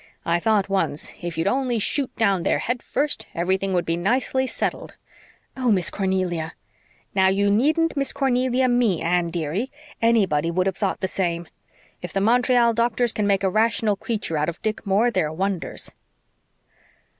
I thought once, 'If you'd only shoot down there head first everything would be nicely settled.'" "Oh, Miss Cornelia!" "Now, you needn't Miss Cornelia me, Anne, dearie. ANYBODY would have thought the same. If the Montreal doctors can make a rational creature out of Dick Moore they're wonders."